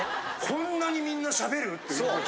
こんなにみんなしゃべる？っていう。